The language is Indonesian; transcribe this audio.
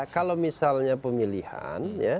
kalau misalnya pemilihan